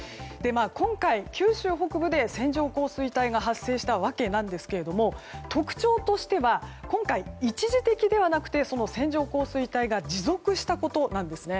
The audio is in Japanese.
今回、九州北部で線状降水帯が発生した訳ですが特徴としては今回、一時的ではなくて線状降水帯が持続したことなんですね。